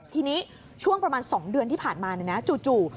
ทีนี้ช่วงประมาณสองเดือนที่ผ่านมาเนี่ยนะจู่